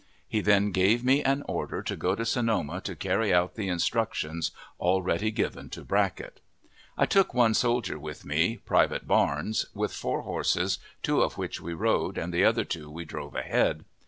He then gave me an order to go to Sonoma to carry out the instructions already given to Brackett. I took one soldier with me, Private Barnes, with four horses, two of which we rode, and the other two we drove ahead.